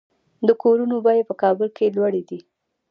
د کورونو بیې په کابل کې لوړې دي